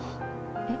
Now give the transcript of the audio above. えっ？